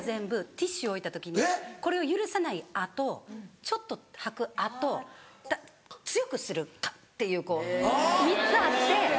ティッシュ置いた時にこれを揺らさない「ア」とちょっと吐く「ア」と強くする「アッ」ていうこう３つあって。